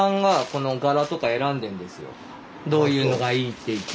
どういうのがいいっていって。